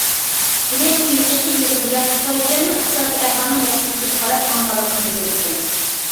دېمەك، بۇ يېقىنقى يىلدىن بۇيان چاۋشيەننىڭ ئىقتىسادىي ئەھۋالىنىڭ ياخشىلىنىشىغا قاراپ ماڭغانلىقىنى بىلدۈرىدىكەن.